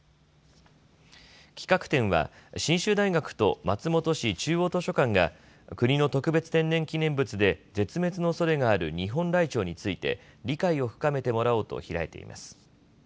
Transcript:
企画展は信州大学と松本市中央図書館が国の特別天然記念物で絶滅のおそれがあるニホンライチョウについて理解を深めてもらおうと開いています。